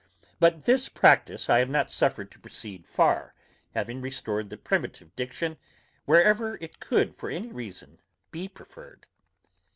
But this practice I have not suffered to proceed far, having restored the primitive diction wherever it could for any reason be preferred.